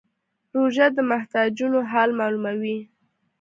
روژه د محتاجانو حال معلوموي.